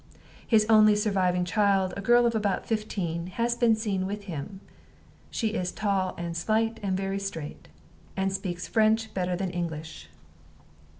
"'His only surviving child, a girl of about fifteen, has been seen with him. She is tall and slight and very straight, and speaks French better than English.